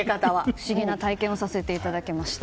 不思議な体験をさせていただきました。